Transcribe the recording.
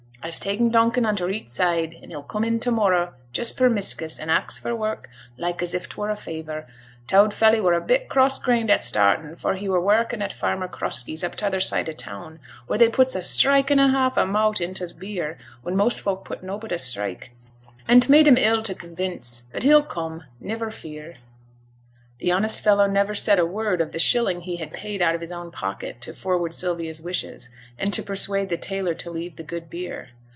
A'se ta'en Donkin on t' reet side, an' he'll coom in to morrow, just permiskus, an' ax for work, like as if 't were a favour; t' oud felley were a bit cross grained at startin', for he were workin' at farmer Crosskey's up at t' other side o' t' town, wheer they puts a strike an' a half of maut intil t' beer, when most folk put nobbut a strike, an t' made him ill to convince: but he'll coom, niver fear!' The honest fellow never said a word of the shilling he had paid out of his own pocket to forward Sylvia's wishes, and to persuade the tailor to leave the good beer.